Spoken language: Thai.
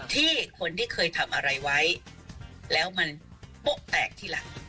ที่คนที่เคยทำอะไรไว้แล้วมันโป๊ะแตกทีหลัง